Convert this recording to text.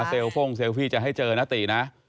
โฟ่งเซลฟี่จะให้เจอนะตินะ